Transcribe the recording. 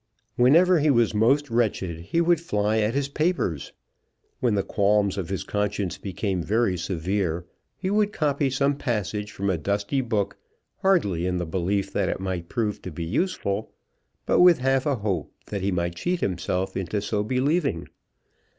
Whenever he was most wretched he would fly at his papers. When the qualms of his conscience became very severe, he would copy some passage from a dusty book, hardly in the belief that it might prove to be useful, but with half a hope that he might cheat himself into so believing.